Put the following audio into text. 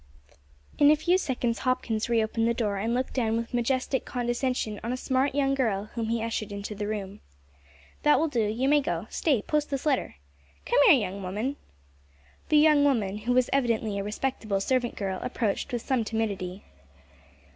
In a few seconds Hopkins reopened the door, and looked down with majestic condescension on a smart young girl whom he ushered into the room. "That will do; you may go stay, post this letter. Come here, young woman." The young woman, who was evidently a respectable servant girl, approached with some timidity.